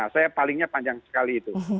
saya palingnya panjang sekali itu